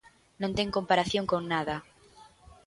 Non ten comparación con nada.